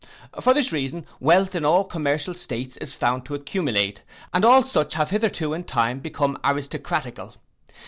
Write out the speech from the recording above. For this reason, wealth in all commercial states is found to accumulate, and all such have hitherto in time become aristocratical.